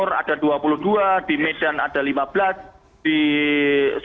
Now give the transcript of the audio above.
tetapi ternyata sisa sisa jaringannya tidak berhasil